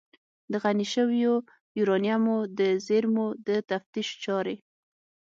د غني شویو یورانیمو د زیرمو د تفتیش چارې